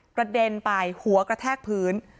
กระเด็นไปหัวกระแทกพื้น